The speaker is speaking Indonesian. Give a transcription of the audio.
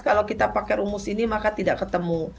kalau kita pakai rumus ini maka tidak ketemu